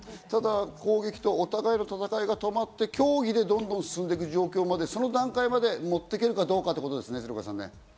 ただ攻撃とお互いの攻撃が止まって協議でどんどん進んでいく状況まで持っていけるかどうかということですね、鶴岡さん。